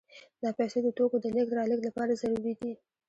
دا پیسې د توکو د لېږد رالېږد لپاره ضروري دي